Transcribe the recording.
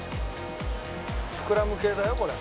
膨らむ系だよこれ。